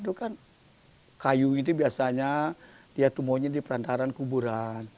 itu kan kayu ini biasanya dia tumbuhnya di perantaran kuburan